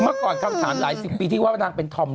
เมื่อก่อนคำถามหลายสิบปีที่ว่านางเป็นธอม